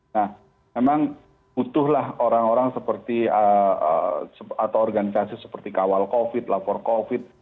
nah memang butuhlah orang orang seperti atau organisasi seperti kawal covid lapor covid